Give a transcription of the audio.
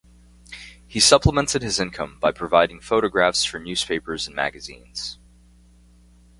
He supplemented his income by providing photographs for newspapers and magazines.